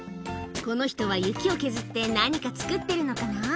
この人は雪を削って何か作ってるのかな？